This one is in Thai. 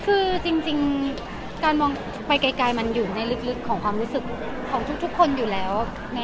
คือจริงการมองไปไกลมันอยู่ในลึกของความรู้สึกของทุกคนอยู่แล้ว